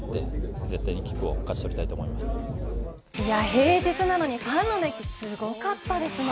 平日なのにファンの熱気すごかったですね。